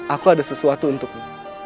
aku ada sesuatu untukmu